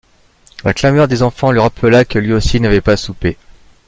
La clameur des enfants lui rappela que lui aussi n’avait pas soupé.